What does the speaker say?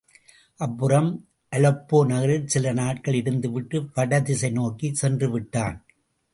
அப்புறம்? அலெப்போ நகரில் சில நாட்கள் இருந்துவிட்டு வடதிசை நோக்கிச் சென்றுவிட்டான்.